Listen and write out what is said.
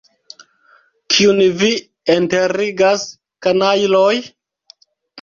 Kiun vi enterigas, kanajloj?